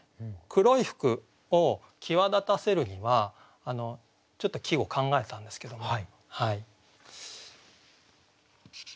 黒い服を際立たせるにはちょっと季語考えたんですけども。